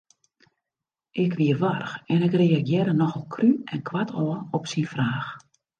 Ik wie warch en ik reagearre nochal krú en koartôf op syn fraach.